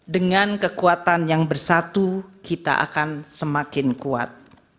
dengan kekuatan yang bersatu kita akan semakin kuat